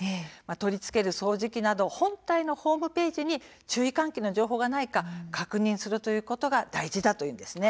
取り付ける掃除機など本体のホームページに注意喚起の情報がないか確認するということが大事だということです。